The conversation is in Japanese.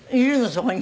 そこに。